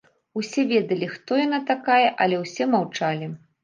Усе ведалі, хто яна такая, але ўсе маўчалі.